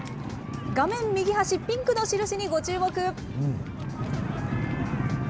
画面右端、ピンクの印にご注目。